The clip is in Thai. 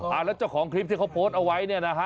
แล้วเจ้าของคลิปที่เขาโพสต์เอาไว้เนี่ยนะฮะ